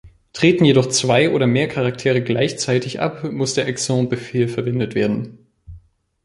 Treten jedoch zwei oder mehr Charaktere gleichzeitig ab, muss der „Exeunt“-Befehl verwendet werden.